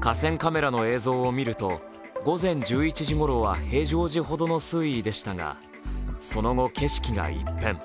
河川カメラの映像を見ると午前１１時ごろは平常時ほどの水位でしたが、その後、景色が一変。